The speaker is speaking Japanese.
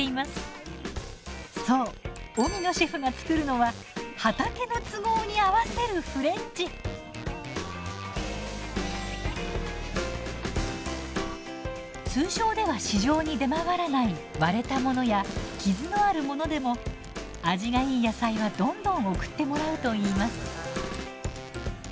そう荻野シェフが作るのは通常では市場に出回らない割れたものや傷のあるものでも味がいい野菜はどんどん送ってもらうといいます。